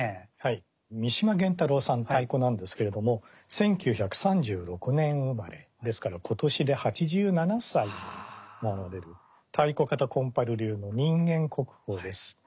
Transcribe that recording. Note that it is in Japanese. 太鼓なんですけれども１９３６年生まれですから今年で８７歳になられる太鼓方金春流の人間国宝です。